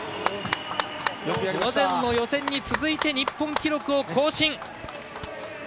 午前の予選に続いて日本記録を更新！